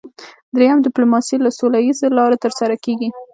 دریم ډیپلوماسي له سوله اییزو لارو ترسره کیږي